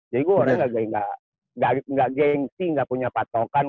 jadi gue orangnya gak gengsi gak punya patokan